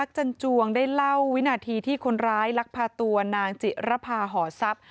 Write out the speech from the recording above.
จันจวงได้เล่าวินาทีที่คนร้ายลักพาตัวนางจิระพาหอทรัพย์